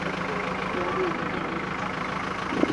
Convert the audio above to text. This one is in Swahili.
Walimu ni wengi.